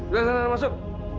udah sana masuk